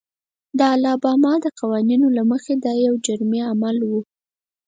د الاباما د قوانینو له مخې دا یو جرمي عمل و.